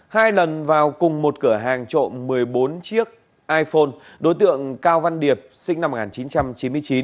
hai lần vào cùng một cửa hàng trộm một mươi bốn chiếc iphone đối tượng cao văn điệp sinh năm một nghìn chín trăm chín mươi chín